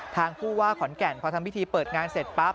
ผู้ว่าขอนแก่นพอทำพิธีเปิดงานเสร็จปั๊บ